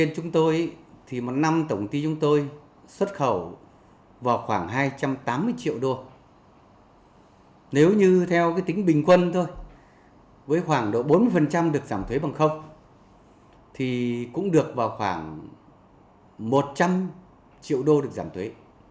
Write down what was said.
với khoảng độ bốn mươi được giảm thuế bằng thì cũng được vào khoảng một trăm linh triệu đô được giảm thuế